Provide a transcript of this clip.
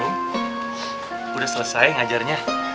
rom udah selesai ngajarnya